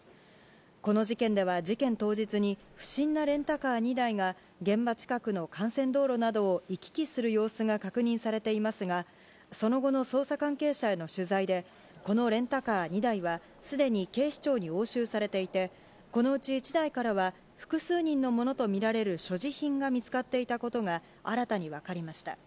この事件では、事件当日に不審なレンタカー２台が現場近くの幹線道路などを行き来する様子が確認されていますが、その後の捜査関係者への取材で、このレンタカー２台は、すでに警視庁に押収されていて、このうち１台からは、複数人のものと見られる所持品が見つかっていたことが新たに分かりました。